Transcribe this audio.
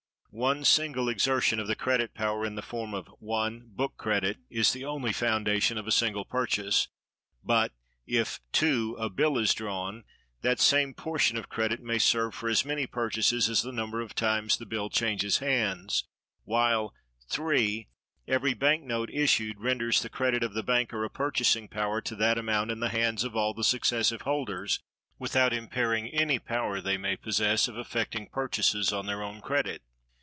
One single exertion of the credit power in the form of (1) book credit, is only the foundation of a single purchase; but, if (2) a bill is drawn, that same portion of credit may serve for as many purchases as the number of times the bill changes hands; while (3) every bank note issued renders the credit of the banker a purchasing power to that amount in the hands of all the successive holders, without impairing any power they may possess of effecting purchases on their own credit.